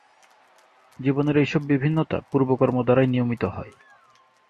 জীবনের এইসব বিভিন্নতা পূর্বকর্মদ্বারাই নিয়মিত হয়।